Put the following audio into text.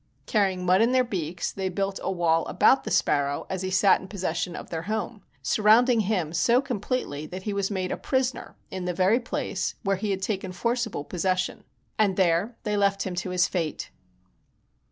Carrying mud in their beaks, they built a wall about the sparrow as he sat in possession of their home, surrounding him so completely that he was made a prisoner in the very place where he had taken forcible possession. And there they left him to his fate.